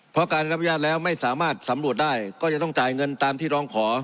เพราะการรับอนุญาตแล้วไม่สามารถสำรวจได้ก็จะต้องจ่ายเงินตามที่ร้องขอ